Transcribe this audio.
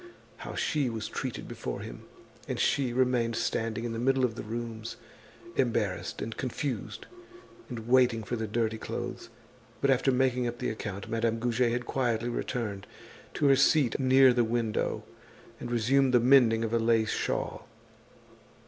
_ How she was treated before him. And she remained standing in the middle of the rooms, embarrassed and confused and waiting for the dirty clothes; but after making up the account Madame Goujet had quietly returned to her seat near the window, and resumed the mending of a lace shawl.